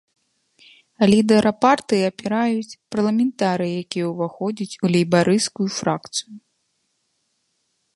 Лідара партыі абіраюць парламентарыі, якія ўваходзяць у лейбарысцкую фракцыю.